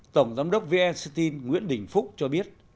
tổng giám đốc vnstin nguyễn đình phúc cho biết